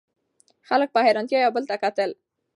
خلکو په حیرانتیا یو بل ته کتل.